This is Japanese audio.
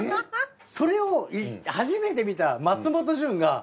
それを初めて見た松本潤が。